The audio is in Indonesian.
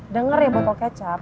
dengar ya botol kecap